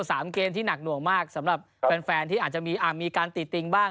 สามเกมที่หนักหน่วงมากสำหรับแฟนแฟนที่อาจจะมีอ่ะมีการติดติงบ้าง